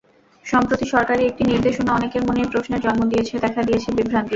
সম্প্রতি সরকারি একটি নির্দেশনা অনেকের মনেই প্রশ্নের জন্ম দিয়েছে, দেখা দিয়েছে বিভ্রান্তি।